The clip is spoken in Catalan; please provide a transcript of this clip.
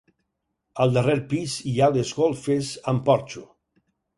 Al darrer pis hi ha les golfes amb porxo.